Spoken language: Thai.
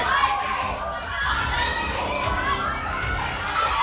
ออกไปเลย